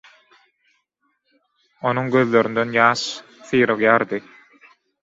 Onuň gözlerinden ýaş syrygýardy.